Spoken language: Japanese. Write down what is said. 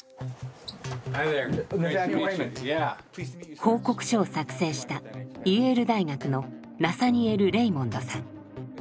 報告書を作成したイェール大学のナサニエル・レイモンドさん。